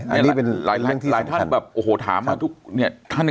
อันนี้เป็นเรื่องที่สำคัญ